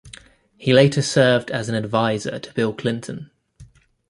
He later served as an adviser to Bill Clinton.